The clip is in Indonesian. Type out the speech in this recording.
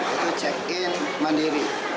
itu check in mandiri